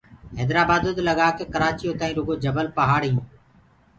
هيدرآبآدو دي لگآڪي ڪرآچيو تآئينٚ رگو جبل پهآڙينٚ